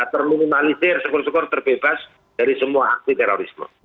terminimalisir syukur syukur terbebas dari semua aksi terorisme